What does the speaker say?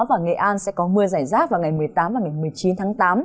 và nghệ an sẽ có mưa giải rác vào ngày một mươi tám và ngày một mươi chín tháng tám